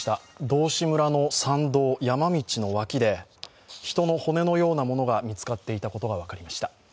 道志村の山道、山道の脇で人の骨のようなものが見つかっていたことが分かりました。